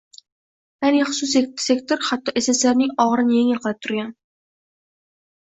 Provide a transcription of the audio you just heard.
Ya’ni, xususiy sektor hatto Sssrning og‘irini yengil qilib turgan.